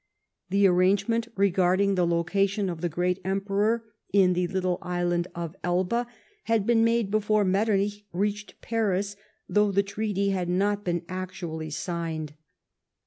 The arrangement reganling the location of the great Emperor in the little island of Elba had been made before Metternich reached Paris, though the treaty had not been actually signed.